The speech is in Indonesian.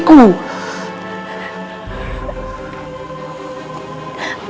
kalau kamu memang benar benar putriku